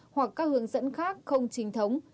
hoặc các hướng dẫn khác không chính thống